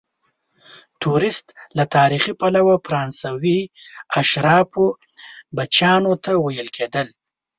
توریست له تاریخي پلوه فرانسوي اشرافو بچیانو ته ویل کیدل.